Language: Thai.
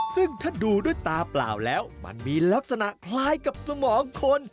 ซึ่งถ้าดูด้วยตาเปล่าแล้วมันมีลักษณะคล้ายกับสมองคน